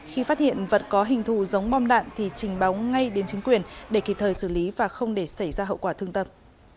khi phát hiện vật có hình thù giống bom đạn thì trình báo ngay đến chính quyền để kịp thời xử lý và không để xảy ra hậu quả thương tâm